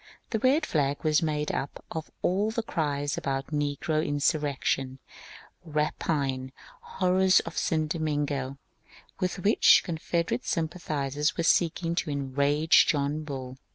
The 'Red Flag was made up of all the cries about ^' negro insurrec tion," " rapine," " horrors of St. Domingo," etc., with which Confederate sympathizers were seeking to enrage John Bull.